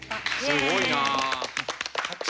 すごいなあ。